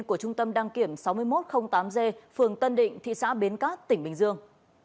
của trung tâm đăng kiểm sáu nghìn một trăm linh tám g phường tân định thị xã bến cát tỉnh bình dương